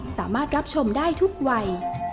สามารถรับชมได้ทุกวัย